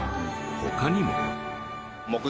他にも。